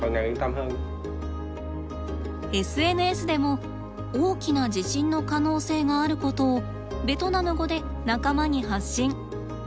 ＳＮＳでも大きな地震の可能性があることをベトナム語で仲間に発信。